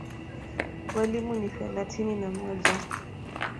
Walimu ni thelathini na mmoja.